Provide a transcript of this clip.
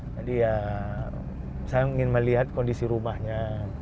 jadi ya saya ingin melihat kondisi rumahnya